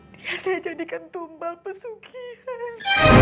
dia saya jadikan tumbal pesugihan